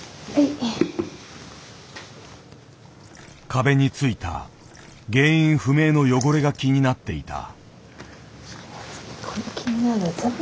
壁に付いた原因不明の汚れが気になっていた。